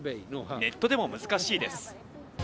ネットでも難しいです。